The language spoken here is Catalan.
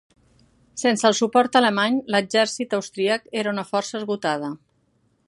Sense el suport alemany, l'exèrcit austríac era una força esgotada.